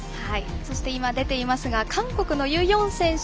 そして、今出ていますが韓国のユ・ヨン選手